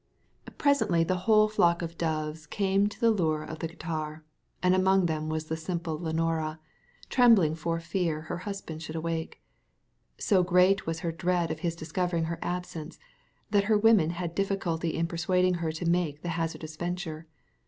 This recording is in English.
Presently the whole flock of doves came to the lure of the guitar, and among them was the simple Leonora, trembling for fear her husband should awake. So great was her dread of his discovering her absence, that her women had great difficulty in persuading her to make the hazardous venture.